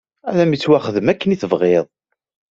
Ad m-ittwaxdem akken i tebɣiḍ!